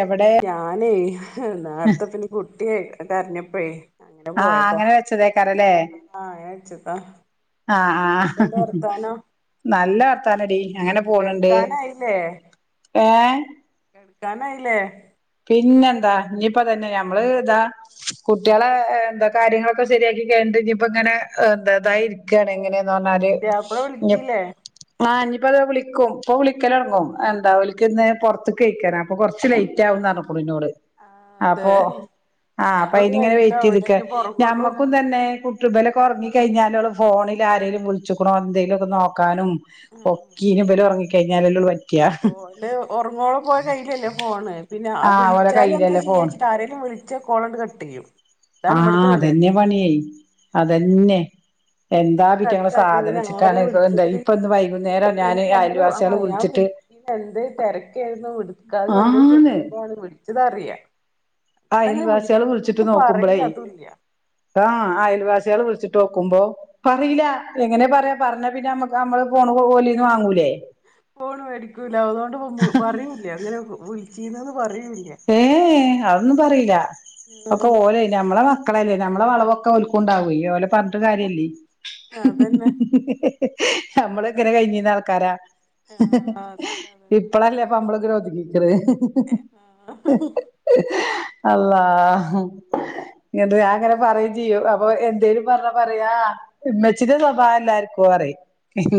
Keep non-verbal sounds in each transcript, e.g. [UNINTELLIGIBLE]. എവിടെ ഞാനേ നേരത്തെ പിന്നെ കുട്ടിയെ കരഞ്ഞപ്പേ ആ അങ്ങനെ വെച്ചതേക്കാരല്ലേ ആഹ് അങ്ങനെ വെച്ചതാ ആ ആ എന്തൊക്കെണ്ട് വർത്താനം നല്ല വർത്താനടി അങ്ങനെ പോണെണ്ട് കെടക്കാനായില്ലേ ഏഹ് [UNINTELLIGIBLE] കാനായില്ലേ പിന്നെ എന്താ ഇനിയിപ്പ തന്നെ നമ്മള് എന്താ കുട്ടികളെ എന്താ കാര്യങ്ങളൊക്കെ ശരിയാക്കി ക ഴിഞ്ഞിപ്പ ഇങ്ങനെ എന്ത തായിരിക്കാണ് എങ്ങനന്ന് പറഞ്ഞാൽ പുതിയാപ്പള ഞ്ഞിപ്പ വിളിച്ചില്ലേ ഇപ്പ അത് വിളിക്കും ഇപ്പൊ വിളിക്കലടങ്ങും എന്താ ഓലക്ക് ഇന്ന് പൊറത്ത് കഴിക്കാന അപ്പൊ കുറച്ച് ലേറ്റ് ആകുന്ന് പറഞ്ഞു പുളിനോട് ആഹ് അതെ അപ്പൊ ആഹ് അപ്പൊ അതൊക്കെ അനി ഇങ്ങനെ വെയിറ്റ് കഴിഞ്ഞിട്ടാവൂലേ ചെയ്ത്ക്ക ഇനിപ്പോ ഒറങ്ങുള്ളൂ ഞമ്മക്കും തന്നെ കുട്ടുമ്പലക്കൊറങ്ങി കഴിഞ്ഞാലൊള്ളു ഫോണിൽ ആരേലും വിളിച്ചക്കണോ എന്തെലുഒക്കെ നോക്കാനും ഒക്കെനും ഇബല് ഒറങ്ങി കഴിഞ്ഞാലല്ല പറ്റ ഓല് ഉർങ്ങോളം ഓലകയ്യിയിലല്ലേ ഫോണ് പിന്നെ ആഹ് ഓലെ വിളിച്ചാലും എന്താ കയ്യിലല്ലേ ഫോണ് ചെയ്യാച്ചിട്ട് ആരേലും വിളി വിളിച്ച കോളങ്ങട് കട്ട് ചെയ്യും അതാണ് ആഹ് ഇവിടുത്തെ പരിപാടി അതെന്നെ പണി അതെന്നെ എന്താ അത് ഇ പിറ്റങ്ങള് കട്ടാക്കും പിന്നെ ആരാ സാധനിച്ചിട്ടാണ് എന്ത വിളിച്ചത് ഇപ്പൊ ഇന്ന് വൈകുന്നേരം ഞാന് അയൽവാസികളെ വിളിച്ചിട്ട് ഇന്ന് എന്തരുതിരക്കായിരുന്നു എടുക്കാഞ്ഞേ എന്തേ ആന്ന് ചോദിക്കുമ്പോഴാണ് വിളച്ചതറിയ അയൽവാസികളെ വിളിച്ചിട്ട് നോക്കുമ്പളേ അതുല്ല ആഹ് അയൽവാസികളെ വിളിച്ചി ഇട്ട നോക്കുമ്പോ പറയില എങ്ങനാ പറയാ പറഞ്ഞാ പിന്നെ നമ്മക്ക് നമ്മള് ഫോണ് ഓലീന്ന് വാങ്ങൂലേ ഫോൺ മേടിക്കൂല്ല അതുകൊണ്ട് പറൂല്ലേ അങ്ങനെ വിളിച്ചിന്ന ഏ അതൊന്നും പറയില്ല ഒക്കെ ആഹ് ഓല നമ്മളെ മക്കളല്ലേ നമ്മളെ വളവൊക്കെ ഓല്ക്കു ണ്ടാവുഓലെ പറഞ്ഞിട്ട് ആഹ് കാര്യല്ലേ അതന്നെ നമ്മള എങ്ങനെ കഴിഞ്ഞീന്ന ആൾക്കാരാ ആഹ് അതന്നെ അതന്നെ ഇപ്പളല്ലേപ്പമ്പളക്കെരോദിക്കിക്കറ് ആഹ് അള്ളാഹ് ഇങ്ങട്ട്ഞാൻ അങ്ങനെ പറയും ചെയ്യോ അപ്പൊ എന്തേലും പറഞ്ഞ പറയാ ഉമ്മച്ചിന്റെ സ്വഭാവംല്ലായിരിക്കോ പറയിം ആ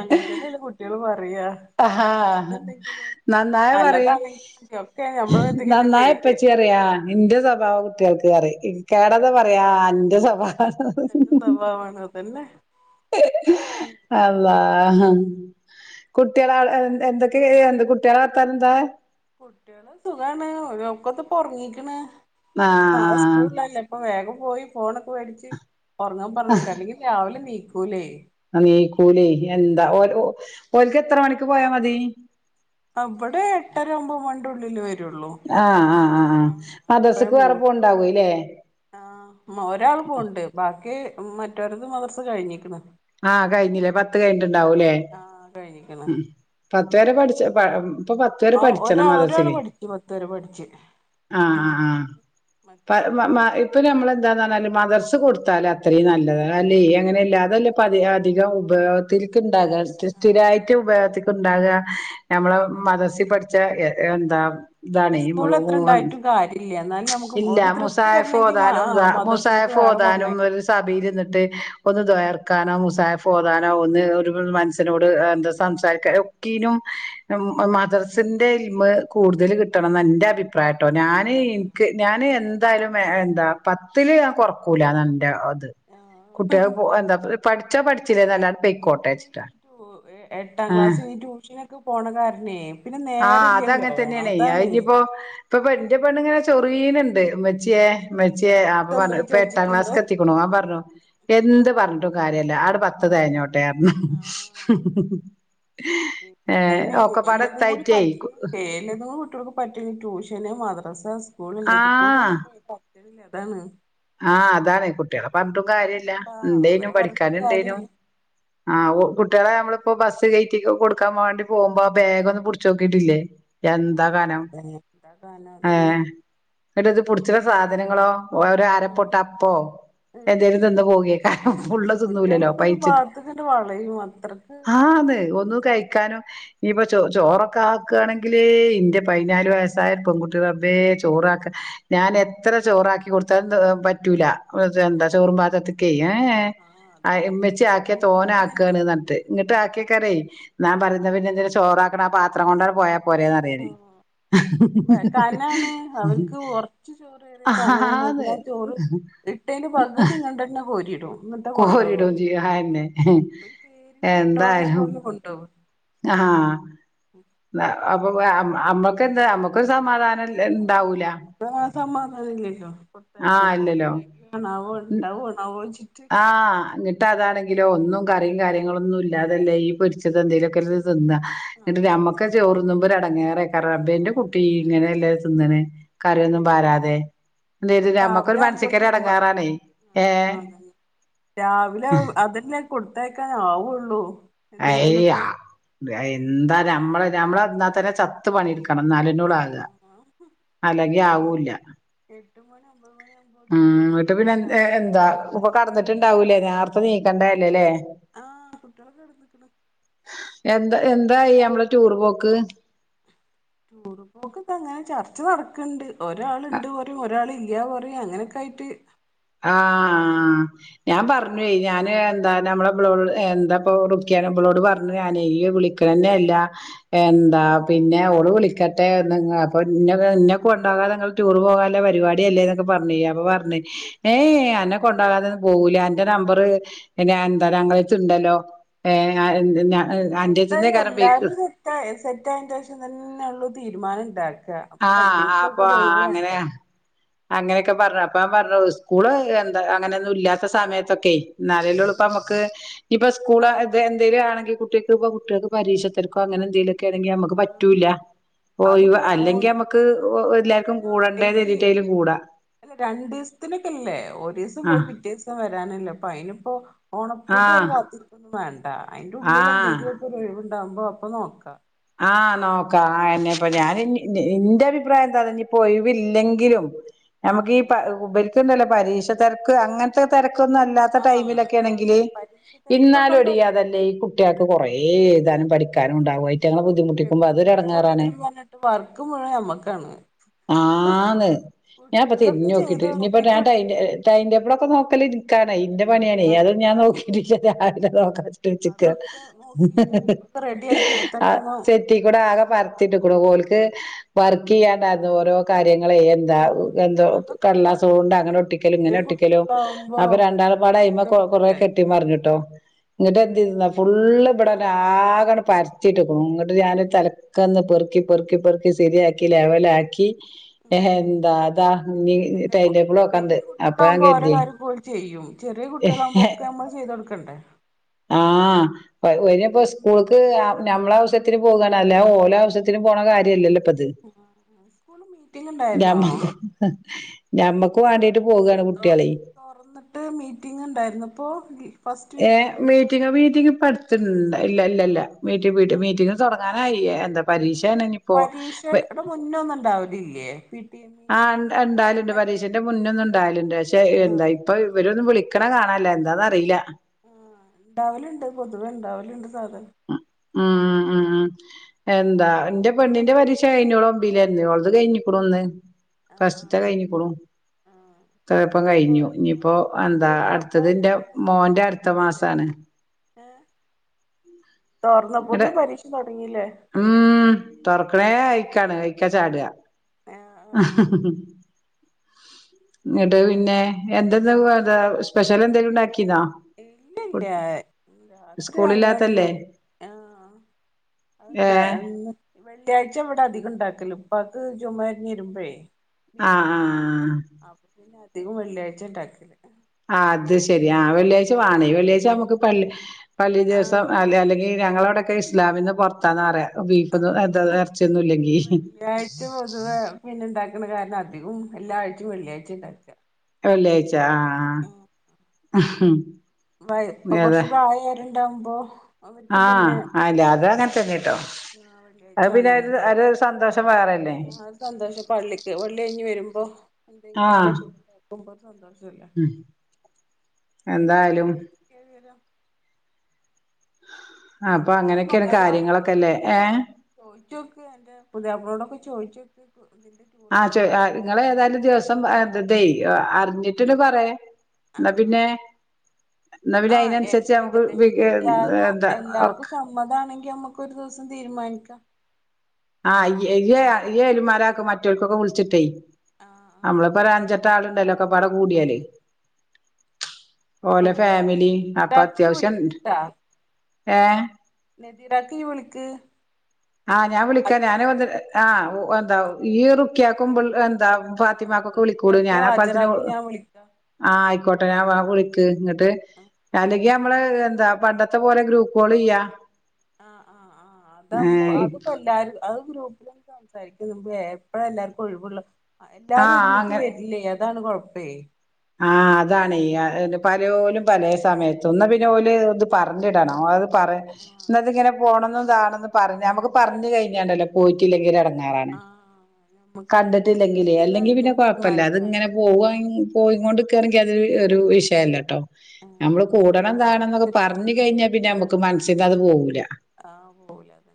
അങ്ങനെ തന്നെയുള്ളൂ കുട്ടികള് പറയാ ആഹ് ഹാ എന്തുണ്ടെങ്കിലും നന്നായി പറയിൻ നല്ലതാണെങ്കിലും ഒക്കെ നമ്മളെ മേത്ത്ക്കന്നെ പേര് വരും നന്നായിപ്പച്ചി യാ ഇന്റെ സ്വഭാ എന്റെ സ്വഭാവകുട്ടികൾക്ക് പറിയിം ഇക്കാടെതാ പറയാ അന്റെ സ്വഭാവ എന്റെ സ്വഭാവമാണ് അതന്നെ അള്ളാ ആഹ കുട്ടികള എന്തൊക്കെ എന്താ കുട്ടികള വർത്താനംഎന്താ കുട്ടികളെ സുഖാണ് ഓലോക്കേന്ന്പ്പ ഒറങ്ങിക്ക്ണ് അപ്പൊ നാളെ ആഹ് സ്കൂളിള്ളല്ലേ ഇപ്പൊ വേഗം പോയി ഫോണൊക്കെ വേടിച്ച് ഉറങ്ങാൻ പറഞ്ഞേക്കാം അല്ലെങ്കിൽ രാവിലെ നീക്കൂല്ലേ നീക്കൂലേ എന്താഓ ഒല്ക്ക് എത്ര മണിക്ക് പോയാ മതി അവിടെ എട്ടര ഒമ്പത് മണിടെ ഉള്ളില് വരും ആഹ് ആഹ് ആഹ് ആ മദറസക്ക് വേറെ പോവുണ്ടാവൂല്ലേ ആ ഒരാൾ പോണ്ട് ബാക്കി മറ്റൊരുത് മദ്രസ കഴിഞ്ഞിക്ണു ആഹ് കഴിഞ്ഞില്ലേ പത്ത് കഴിഞ്ഞിട്ടുണ്ടാവൂല്ലേ ആഹ് കഴിഞ്ഞിക്ക്ണ് ഇതുവരെ പഠിച്ച പ ഇപ്പൊ പത്ത് ആഹ് വരെപഠിച്ചണം ഒരാ ഒരാള് മദ്റസയിൽ പഠിച്ചു പത്ത് വരെ പഠിച്ച് ആഹ് മറ്റോര് ആഹ് പിന്നെ ആ ഇപ്പൊ നമ്മള് എന്താന്ന് പറഞ്ഞാൽ മദ്രസകൊടുത്താല അത്രയും നല്ലത് അല്ല അങ്ങനെല്ലാ അതല്ല പതി അധികം ഉപയോഗത്തില്ക്ക് തകർത്ത് ആഹ് സ്ഥിരമായിട്ട് ഉപയോഗത്തിക്ക് ഉണ്ടാകുക നമ്മള അതന്നെ മദ്രസിപഠിച്ച എന്താ ഇതാണെ [UNINTELLIGIBLE] സ്കൂൾ എത്ര ഊഹം ഉണ്ടായിട്ടും കാര്യല്ല എന്നാലും നമുക്ക് ഇല്ല ഒരു തൃപ്തി മുസായിഫ് വരണെങ്കിൽ ആ ഓതാനും മദ്രസേക്ക് മുസായിഫ് വേറെ ഓതാനും പറഞ്ഞേക്ക ഒരു സഭയിൽ ഇരിന്നിട്ട് ഒന്ന് ദുആർക്കാനോ മുസാഫ് ഓതാനോ ഒന്ന് ഒരു മനസ്സിനോട് എന്താ സംസാരിക്കാ ഒക്കിനും മദ്റസിന്റെ ഇൽമ് കൂടുതൽ കിട്ടണംന്ന് ന്റെ അഭിപ്രായട്ടോ ഞാന് ഞാന് എന്തായാലും ഏ എന്താ പത്തില്ല് ഞാൻ കൊറക്കൂല എന്റെ അത് കുട്ടികൾപ്പോ എന്താ പഠിച്ചാ പഠിച്ചില്ലേ എന്നല്ല പെയക്കോട്ടെച്ചിട്ടാ ഇപ്പൊ എട്ടാം ക്ലാസ് ഇഞ്ഞ് ട്യൂഷനൊക്കെ പോണ കാരണേ പിന്നെ ആഹ് അതങ്ങനെ നേരല്ലല്ലോ തന്നെയാണേ അത് അതാണ് ഇപ്പൊ ഇനിയിപ്പോ ഇന്റെ പെണ്ണിങ്ങനെ ചൊറീണ് ണ്ട് ഇമ്മച്ചിയെ ഇമ്മച്ചി അപ്പൊ പറഞ്ഞു നിർത്തല്ലേ ഇപ്പൊ എട്ടാം ചോദിച്ചിട്ടില്ലേ ക്ലാസ്ക് എത്തിക്കാണു ആ പറഞ്ഞു എന്ത് പർ കാര്യല്ല ആട് പത്ത് തെകഞ്ഞോട്ടേ ർഞ്ഞ് പിന്നെ അതന്നെയാണ് എല്ലാതും കൂടി എത്തായിറ്റേ പറ്റ്ണില്ലേ എല്ലാതും കൂടി കുട്ടികൾക്ക് പറ്റൊ ട്യൂഷന് മാദർ സ് സ്കൂള് എല്ലതും കൂടി ആഹ് ആവുമ്പോ പറ്റണില്ല അതാണ് ആഹ് അതാണ് കുട്ടികളെ പർ ഞ്ഞ്ട്ടും കാര്യല്ല ആ ണ്ടേനും അവരെ പറഞ്ഞിട്ടും പഠിക്കാന് ണ്ടേനും കാര്യല്ല ആ കുട്ട്യളെ നമ്മള് ഇപ്പൊ ബസ്സ് കയറ്റി കൊടുക്കാൻ വേണ്ടി പോകുമ്പോ ആ ബാഗ് ഒന്ന് പുട്ച്ചോക്കിയിട്ടില്ലേ ആ എന്താ കനം അതന്നെ എന്താ കാലം അതന്നെ ഏഹ് എന്നിട്ട് ഇത് പുട്ച്ച്ണ സാധനങ്ങളോ ഒര അര പുട്ട് അപ്പോ എന്തേലും തിന്നു പോകെയ്കാരം ഫുള്ള് തിന്നുല്ലല്ലോ കുട്ടികളൊക്കെ ഒരു പയിച്ചിട്ട് ഭാഗത്തക്കണ്ട് വളയും അത്രക്ക് ഇതല്ലേ ഒന്നു കഴിക്കാനും ഇപ്പൊ ചോ ചോറൊക്കെ ആ ക് ആണെങ്കില് ഇന്റെ പതിനാല് വയസായ പെൺകുട്ടി റബ്ബേ ചോറാക്ക ഞാൻ എത്ര ചോറ് റാക്കി കൊടുത്താലും ന്താ പറ്റൂല എന്താ ആഹ് ചോറും പാത്രത്ത്ക്കെ എ ഏ ആ അതന്നെ അതന്നെ ഇമ്മച്ചി ആക്കിയ ഇവിടെ തോനെ അതന്നെ ആക്കാണ് സ്ഥിതി പറഞ്ഞിട്ട് ന്നിട്ട് ആഹ് ആക്കെയ്ക്കാരെ ഞാൻ പറഞ്ഞ ന്ന പിന്നെന്തിനാ ചോറാക്ക്ണെ ആ പത്രം കൊണ്ടങ്ങട് പോയാ പോരേന്ന് പറിയേനി വയ്കാൽനാണ് അവർക്ക് കൊറച്ച് ചോറ് ഏറിയ കനാണ് പ്പ ഞാന് ഞാൻ ചോ റ് ആന്ന് ഇട്ടേന്ന് പകുതിയിങ്ങട്ടന്നെ കോരി യിടും കോരിടും ചെയ്യും അതെന്നെ ഒരു പേരിന് കൊണ്ടോണ എന്തായാലും പോലെ കൊണ്ടോവും ആഹ് അപ്പൊ അമ്മക്ക് എന്താ അമ്മക്കൊരു സമാധാന ഇണ്ടാവൂല സമാധനല്ലല്ലോ ആഹ് കൊടുത്തയക്കുമ്പോ ഇല്ലല്ലോ തെകയാണാവോ ണ്ടാവോണാവോ [UNINTELLIGIBLE] ആഹ് ന്ന്ട്ട് അതാണെങ്കിലോ ഒന്നും കറിം കാര്യങ്ങളൊന്നും ഇല്ലാതല്ലേ ഈ പൊരിച്ചത് എന്തേലൊക്കെ ആ തിന്ന ന്ന്ട്ട് ആഹ് അതെ ഞമ്മക്കെന്നെ ചോറ്ന്നുമ്പൊരെടങ്ങേറെയ്ക്കാരം റബ്ബേ ആഹ് ന്റെ കുട്ടി അതന്നെയാണ് ഇങ്ങനെല്ലേ തിന്ന്ണേ കറിയൊന്നും പാരാതെ എന്തെ ഈ ഞമ്മക്കൊരു രാവിലെ മനസ്ക്കൊര് ആവുമ്പോത്തിന് നമ്മക്കും എടങ്ങാറാണേ ഏഹ് ആഹ് അതന്നെ രാവിലെ അതെന്നെ കൊടുത്തയക്കാനാവുള്ളൂ അയ് ആ എന്തെങ്കിലൊക്കെ എന്താ ഞമ്മള് ഞമ്മള് എന്നാ തന്നെ ചത്ത് പണി ഇട്ക്ക് ക്കണം നാലെന്നൊള്ള് ആക്അ ആഹ് അല്ലങ്കി എട്ട് മണി ആവൂല്ല എട്ട് മണി ഒമ്പത് മണി ഉം ആവുമ്പോത്തിന് ന്ന്ട്ട് പിന്നെ പല കൃത്യം എന്താ പറഞ്ഞാല് ഇപ്പൊ എന്തെങ്കിലും കെടന്നിട്ടുണ്ടാവൂലേ നേർത്തെ നീക്കണ്ടല്ലേല്ലേ ആഹ് കുട്ടികളൊക്കെ കെടന്ന്ക്ക്ണ് എന്താ എന്തായി നമ്മളെ ടൂറ് പോക്ക് ടൂറ് പോക്ക് അങ്ങനെ ചർച്ച നടക്ക്ണ്ട് ഒരാൾ ഇണ്ട് പറയും ഒരാൾ ഇല്ല പറയും അങ്ങനൊക്കായി ട്ട് ആഹ് ഞാൻ പറഞ്ഞുവേ ഞാന് എന്താ നമ്മളെ ബളോ ഏ എന്താപ്പൊ റുക്കി ബളോട് പറഞ്ഞു ഞാന് ഇയ്യ് വിളിക്കലെന്നെല്ല എന്താ പിന്നെ ഓള് വിളിക്കട്ടെ അപ്പൊ ഇന്നെ കൊണ്ടോകാതെ ഇങ്ങള് ടൂർ പോകാല്ലെ പരിപാടിയാല്ലേന്നൊക്കെ പറഞ് അപ്പൊ പറഞ്ഞ് എ ഏ ഏഹ് അന്നെ കൊണ്ടാകാതൊന്നും പോവൂല അന്റെ നമ്പറ് പിന്നെ എന്താറിയാ ഞങ്ങളെര്ത്ത് ഇണ്ടല്ലോ ആ എന്തായാലും ബേക്ക് എല്ലാരും സെറ്റ് സെറ്റ് ആയേന്റേശം തന്നെ ഉള്ളൂ തീരുമാനം ഇണ്ടാക്ക അപ്പൊ ആഹ് രണ്ടീസൊക്കെ അപ്പൊ ഒരൊഴിവ് അങ്ങനെ വേണ്ടേ അങ്ങനെയൊക്കെ പറഞ്ഞു അപ്പ ഞാൻ പറഞ്ഞു സ്കൂള് എന്താ അങ്ങനെയൊന്നും ഇല്ലാത്ത സമയത്തൊക്കെ ന്നാലല്ലെ ഒള്ളുപ്പം ഞമ്മക്ക് ഇനിയിപ്പം സ്കൂൾ ആഹ് എന്തേലും ആണെങ്കി കു കുട്യക്പ്പം കുട്ടികൾക്ക് പരീക്ഷ തെരക്കോ അങ്ങനെ എന്തേലൊക്കെ ആണെങ്കി അമ്മക്ക് പറ്റൂല്ല ആഹ് ഓ അതിപ്പോ അല്ലെങ്കി ഓണ ങ്കി അമ്മക്ക് എല്ലാർക്കും ഓണപ്പൂട്ടിനോ കൂടണ്ടേന്ന് അല്ലെങ്കി കര്തീട്ടെങ്കിലും കൂടാ തും പോയി പിറ്റേസം വരാനല്ലേ അപ്പൊ അയിനിപ്പോ ഓണപൂട്ട് ആ വരെ കാത്ത് നിക്കൊന്നും വേ ണ്ട അയിന്റെ ആ ഉള്ളിൽ ആ എന്തെങ്കിലും ഒക്കൊര് ഒഴിവ്ണ്ടാക്മ്പോ അപ്പൊ നോക്കാ ആഹ് നോക്കാ അതെന്നെപ്പൊ ഞാൻ ഇന്റെ അഭിപ്രായം ന്താറിയോ ഇഞ്ഞ്പ്പം ഒഴിവില്ലെങ്കിലും ഞമ്മക്ക് ഈ ഉ പര്ക്ക്ണ്ടല്ലോ പരീക്ഷ തെരക്ക് അങ്ങൻത്തെ തെര ക്കൊന്നല്ലാത്ത ആഹ് ആഹ് ആഹ് ടൈമിലൊക്കേണെങ്കില് പരീക്ഷ തിരക്കൊക്കെ ഉണ്ടോ ഇന്നാലുടി അതെന്നെ ഈ കുട്ട്യാക്ക് കൊറെ എഴുതാനും പഠിക്കാനും ണ്ടാവും അത് അ കുട്ടി കുട്ട്യാളെ പേരും പറഞ്ഞിട്ട് വർക്ക് മുഴുവൻ ഞമ്മക്കാണ് ആന്ന് ഞാൻപ്പൊ തിരിഞ്ഞ് നോക്കിട്ട് ചെയ്ത് ഇനിപ്പ ഒപ്പിച്ചു ഞാൻ കൊടുക്കണ്ടേ ടൈടേബിളൊക്കെ നോക്കല് ൻകാനെ ഇന്റെ പണിയാണെ ആഹ് അതും ഞാൻ നോകീറ്റില്ല രാവിലെ നോക്ക അതൊക്കെ നോക്കീട്ട് ബുക്കൊക്കെ റെടാക്കി ഇട്ത്തെ ആ സെറ്റിക്കൂടെ ആകെ പരത്തിട്ട്കൊണു ഓല്ക് വർക്കെയ്യാണ്ടേര്ന്നു ഓരോ കാര്യ ങ്ങള് എന്താ ആഹ് എന്തോ അതൊക്കെ ഇപ്പൊ കടലാസോണ്ടക്ക്ണ ചെറിയ ഒട്ടിക്കലും ങ്ങനെ ചെറിയ ഒട്ടിക്കലും കുട്ടികളാവുമ്പോ അപ്പം ഒക്കെ ഇത് രണ്ടാളുമ്പാടെ അയ്മ ചെയ്ത് കൊറേ കൊടുക്കണ്ടേ കെട്ടി മറഞ്ഞു ട്ടോ ന്ന്ട്ട് ഉം എന്തെയ്തുന്നോ ഫുള്ള് ഇവടെ ട്ടാകെ ങ്ങട്ട് പരത്തിട്ട്ക്ണു ങ്ങട്ട് ഞാന് തലക്കന്നു പെറു.. പെർക്കി പെർക്കി സെരിയാക്കി ലെവലാക്കി ഉം എന്താ ത ഞ്ഞി അല്ലപ്പൊ ടൈംടേബിൾ നോക്കാണ്ട് വല്യ അപ്പം ഞാൻ കുട്ടികളാവുമ്പോ ഓരോ കരുതി കാര്യം ഓല് ചെയ്യും ചെറിയ കുട്ട്യാളാവുമ്പൊ ക്കെ ഞമ്മള് ചെയ്തൊട്ക്കണ്ടേ ആ ഓലപ്പോ സ്കൂൾക് അ ഞമ്മള ആവിശ്യത്തിന് പോകാണ് അല്ലാതെ ഓലാവശ്യത്തിന് പോണ കാര്യല്ലല്ലോ അത് സ്കൂള് മീറ്റിംഗ് ഉണ്ടായിരുന്നോ? ഞമ്മക്ക് ഞമ്മക്കും വാണ്ടീ തൊറന്ന്ട്ട് മീറ്റിംഗ് ണ്ടായിരുന്നുപ്പോ ഏ മീറ്റിംഗ് മീറ്റിംഗ് ഇപ്പട്ത്ത് ഇണ്ടേ ഇല്ല ല്ലാ ലാ മീറ്റ് മീറ്റിങ് തൊറ.. ക്കാനായി എന്താ പരീഷേണെനി പ്പോ വെ ഇല്ലേ പി ടി എം ഇ ആ ഇണ്ട ഇണ്ടാവല്ണ്ട് തെരഞ്ഞെടുക്കണ പരീക്ഷ ന്റെ മുന്നൊന്ന് ണ്ടാവല്ണ്ട് പക്ഷെ ആഹ് എന്താ ഇപ്പൊ ഇവരൊന്ന് വിളി ക്കണ കാണാനില്ല എന്താന്നറില്ല ഉം ണ്ടാവല്ണ്ട് പൊതുവെ ണ്ടാവല്ണ്ട് സാധാ ആ ആ അ ആ എന്താ ന്റെപെണ്ണിന്റെ പരീക്ഷ കഴിഞ്ഞു ഓളൊമ്പേലേര്ന്നു ഓൾത് കഴിഞ്ഞ്ക്കുണു ന്ന് ആഹ് പസ്റ്റ്ത്തെ ആഹ് കയ്ഞ്ഞ്ക്ക്ണു ത്ര ൾപ്പം കയ്ഞ്ഞു ആഹ് ഇനിപ്പോ എന്താ സ്കൂൾ അടുത്തത് ന്റെ തുറക്കായിട്ടില്ലേ മോന്റെ അട്ത്ത മാസാണ് എ ഇങ്ങട് തൊർന്നപ്പോത്തിന് പരീഷ തൊടങ്ങീ ലെ ഉം തൊർക്ക്ണേ അയ്ക്കാണ് അയ്ക്ക ചാട ആഹ് ഹ് ഹ് ന്ന്ട്ട് പിന്നെ ആഹ് [UNINTELLIGIBLE] സ്‌പെഷലെന്തേ ണ്ടാക്കി ഇതാ ഇല്ലില്ല കുട്ട് രാത്രി സ്കൂളില്ലാത്തല്ലേ അങ്ങനൊന്നും ഏഹ് അ ന്ന് വെള്ളിയാഴ്ച ഇവിടെ അധികം ണ്ടാക്കല് ഉപ്പാക് ജുമുഅതിരിഞ്ഞു വരുമ്പേ ആഹ് ബിരിയാണോ ആഹ് അപ്പപ്പിന്നെ അധികോം വെള്ളിയാഴ്ച ണ്ടാക്കല് ആ അത് ശെരി ആ വെള്ളിയാഴ്ച വാണേ വെള്ളിയാഴ്ച ഞമ്മക് പള്ളി പള്ളി ദിവസം ആഹ് അ അല്ലെങ്കി ഞങ്ങളോടൊക്കെ ഇസ്ലാമിന്ന് പൊറത്ത ന്നറയ ആ ഉം വെള്ളിയാഴ്ച പൊതുവെ പിന്നെ ണ്ടാ [UNINTELLIGIBLE] കാരണം അധികോം എല്ലാ ആഴ്ച വെള്ളിയാഴ്ചെ ണ്ടാക്ക വെള്ളിയാഴ്ച അ ആ ഹും ഇപ്പക്കൊർച്ച് പ്രായായോല് ണ്ടാവുമ്പോ ആ അല്ല അത് അങ്ങനതെന്നെ ട്ടോ ആഹ് അത് പിന്നെ ഒര് ഒര് സന്തോഷം വേറെ ആ അത് സന്തോഷം പള്ളിക് പള്ളി കയ്ഞ് വെരുമ്പം എന്തെങ്കിലും ആഹ് സ്‌പെഷൽ ണ്ടാക്കുമ്പോ ഒരു സന്തോഷല്ലേ ഉം എന്തായാലും വേറെന്തെക്കെ വിവരം അപ്പൊ എന്തായാലും അങ്ങനെയൊക്കെയാണ് [UNINTELLIGIBLE] കാര്യങ്ങളൊക്കെല്ലേ ഏഹ് ചോയ്ച്ചോക്ക് അന്റെ പുതിയാപ്പിളനോടൊക്കെ ചോ [UNINTELLIGIBLE] ആ ചോയ് ആ ങ്ങള് ഏതായാലും ദിവസം അറിഞ്ട്ട് അറിഞ്ഞിട്ട് ണ്ട് പറേ ന്ന പിന്നെ പിന്നെ ആ അതിനനുസരിച്ച് നമുക്ക് ഏകതേശം എല്ലാരും എന്താ എല്ലാര്ക്കും സമ്മതമാണെങ്കി ഞമ്മക്കൊരു ദിവസം തീരുമാനിക്കാ ആ യെയ്യ് ഇയ്യ് എരുമാറാക് മറ്റൊര്ക്കൊക്കെ വിളിച്ചിട്ടെയ് ആഹ് നമ്മളിപ്പ ഒരഞ്ചേട്ടാളുണ്ടല്ലോ ഒക്കപ്പാടെ ആഹ് കൂട്യാല് ആഹ് ഓല ആഹ് ഫേമിലി അപ്പം നദീറാക്ക് ഇയ്യ് അത്യാവിശ്യം ണ്ട് വിളിക്ക്ട്ടാ ഏ രാത്രി വിള്ക്ക് ആ ഞാൻ വിളിക്കാ ഞാന് ന്തോര് ആ ഒ എന്തം ഈ റുക്കിയാക്കുമ്പ്ള്ളെ എന്ത ആഹ് ഫാത്തിമാക്കൊക്കെ വിളിക്കൂട് റുക്കിയാക്കും ഞാൻ അപ്പത്തിനു ഹാജറാക്കും ഞാൻ വിളിക്കാം ആ ഐക്കോട്ടെ ഞാൻ ഇവളെകുളിക്ക് ട്ട് അല്ലെങ്കി നമ്മള് എന്താ പണ്ടത്തെ പോലെ ഗ്രൂപ്പോളെയ്യാ ആ ആ ആ അതാമ്പോ അത്പ്പ എല്ലാരും അത് ഗ്രൂപ്പിലന്ന് സംസാരിക്കുല്ലേ എപ്പഴാ എല്ലാവർക്കും ഒഴിവുള്ള എല്ലാരും ആഹ് ഒരുമിച്ച് വരില്ലേ അതാണ് കൊഴപ്പേ ആ അതാണെയ് അ പലോലു പലേ സമയത്തും ഒന്ന് പിന്നെ ഓല് ഇത് പറഞ്ഞിടണം അത് പറ ആഹ് എന്നിട്ടങ്ങനെ പോണംന്നതാണെന്ന് പറഞ്ഞ ന്നമക്ക് പറഞ്കൈഞ്ഞാലല്ലെ പോയ്റ്റില്ലെങ്കിലെട ഏ ആഹ് നമ്മുക്ക് എന്നാ കണ്ടിട്ടില്ലെങ്കില് എന്നാ അല്ലെങ്കി പിന്നെ ഇങ്ങനെ കൊഴപ്പല്ല തീരുമാനിക്കാം അത്ങ്ങനെ പോവാൻ പോയി കൊണ്ടിക്കെണെങ്കി അത് ഒരു വിഷയല്ലട്ടോ ആഹ് നമ്മള് ഗ്രൂപ്പ് കൂടണം കോൾ താണംന്നൊക്കെ ചെയ്തിട്ടേ പറഞ്കയ്ഞ്ഞാ പിന്നെ നമ്മുക്ക് മനസ്സിന്നത് പോകും ആ പോയാല്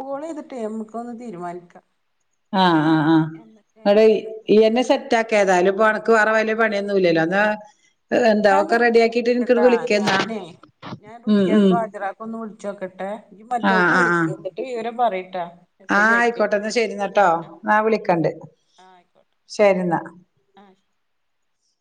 കോളെയ്തിട്ടേ നമുക്കൊന്ന് തീരുമാനിക്കാം ആ ആ ആ എന്തൊക്കെയാണ് ഇപടെ ഈ ഈയെനെ ഏതൊക്കെയാന്നൊക്കെ സെറ്റാക്കെതായ്ലും ഇപ്പനക്ക് വേറെ വല്യ ആഹ് പണിയൊന്നുല്ലല്ലോ അതാ എന്താ ഞാനൊന്ന് ഒക്കെ റെഡിയാക്കിട്ട് എനിക്കൊരു വിളിച്ചോക്കട്ടെട്ടാ വിളിക്കെന്നാ ഞാനേ ഞാൻ ഉം ഉം റുക്ക്യാക്കും ഹജറാക്കൊന്ന് വിളിച്ചോക്കട്ടെ നി മറ്റോൾക്കും വിളിക്ക്‌ എന്നിട്ട് വിവരം പറയ് ആ ആയിക്കോട്ടെ ന്ന ശെരിന്നട്ടോ ആഹ് ആ വിളിക്കണ്ട് ആ ആയിക്കോട്ടെ ശരിന്നാ ആ ശരി